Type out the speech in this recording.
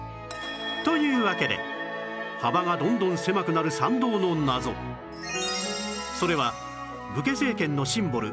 というわけで幅がどんどん狭くなる参道の謎それは武家政権のシンボル